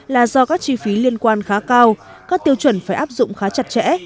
là do các chi phí liên quan khá cao các tiêu chuẩn phải áp dụng khá chặt chẽ